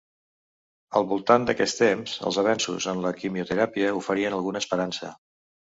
Al voltant d'aquest temps, els avenços en la quimioteràpia oferien alguna esperança.